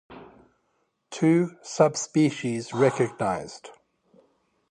Two subspecies recognized.